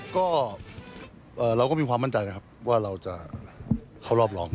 ก็เราก็มีความมั่นใจนะครับว่าเราจะเข้ารอบรอง